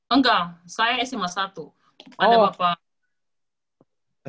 enggak saya sma satu ada bapak